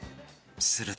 すると